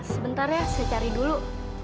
sebentar ya saya cari dulu